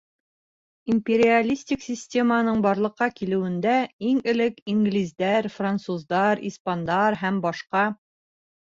Империалистик системаның барлыҡҡа килеүендә иң элек инглиздәр, француздар, испандар һәм башҡа